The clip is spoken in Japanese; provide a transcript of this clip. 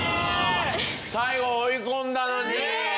最後追い込んだのに？